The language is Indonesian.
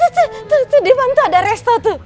tuh tuh tuh depan tuh ada resto tuh